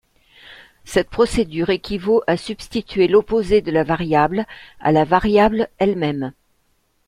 Cette procédure équivaut à substituer l'opposé de la variable à la variable elle-même.